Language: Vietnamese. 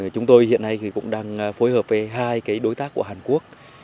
chúng tôi hiện nay cũng đang phối hợp với hai đối tác của hàn quốc